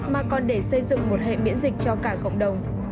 mà còn để xây dựng một hệ miễn dịch cho cả cộng đồng